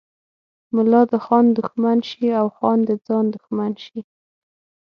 ملا د خان دښمن شي او خان د ځان دښمن شي.